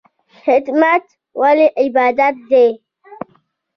خدمت ولې عبادت دی؟